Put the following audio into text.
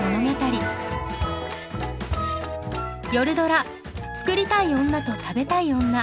夜ドラ「作りたい女と食べたい女」。